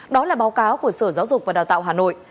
đó là báo cáo của sở giáo dục và đào tạo hà nội